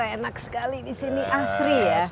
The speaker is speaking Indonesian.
enak sekali disini asri ya